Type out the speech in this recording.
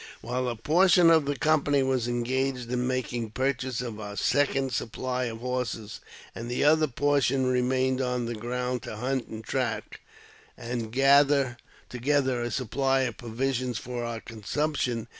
While a portion of the company were engaged in making purchase of our second supply of horses, the other portion remained on the ground to hunt and trap, and gather together a supply of provision for our consumption.